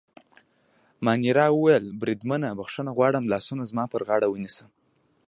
مانیرا وویل: بریدمنه، بخښنه غواړم، لاسونه زما پر غاړه ونیسه.